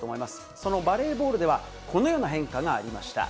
そのバレーボールでは、このような変化がありました。